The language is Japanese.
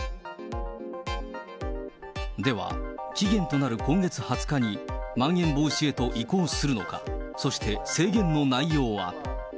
では、期限となる今月２０日にまん延防止へと移行するのか、そして制限の内容は。